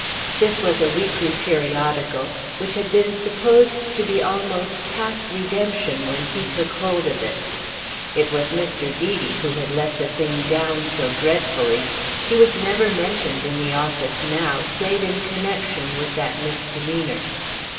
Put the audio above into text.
This was a weekly periodical, which had been supposed to be almost past redemption when he took hold of it. It was Mr. Deedy who had let the thing down so dreadfully: he was never mentioned in the office now save in connexion with that misdemeanour.